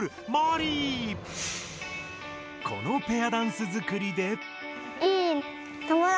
このペアダンスづくりで。